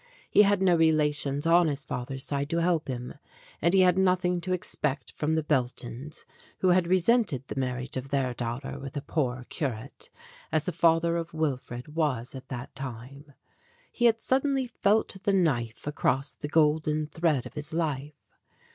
He had no relations on his father's side to help him, and he had nothing to expect from the Beltons, who had resented the marriage of their daughter with a poor curate, as the father of Wilfred was at that time. He had suddenly felt the knife across the golden thread of his life.